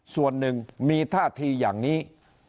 ส่วนหนึ่งมีท่าทีอย่างนี้